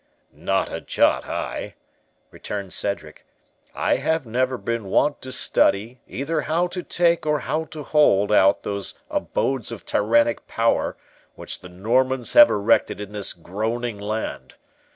"Not a jot I," returned Cedric; "I have never been wont to study either how to take or how to hold out those abodes of tyrannic power, which the Normans have erected in this groaning land.